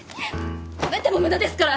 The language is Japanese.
止めても無駄ですから。